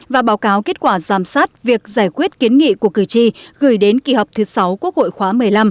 và báo cáo kết quả giám sát việc giải quyết kiến nghị của cử tri gửi đến kỳ họp thứ sáu quốc hội khóa một mươi năm